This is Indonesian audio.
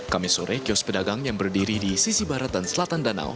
kami sore kios pedagang yang berdiri di sisi barat dan selatan danau